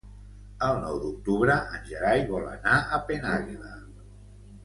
El nou d'octubre en Gerai vol anar a Penàguila.